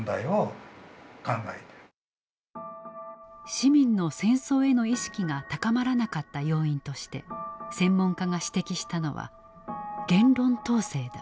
市民の戦争への意識が高まらなかった要因として専門家が指摘したのは言論統制だ。